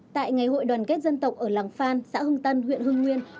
tại ngày hội đoàn kết dân tộc ở làng phan xã hưng tân huyện hưng nguyên